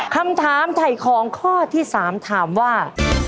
คำถามไถ่ของข้อที่๓ถามว่า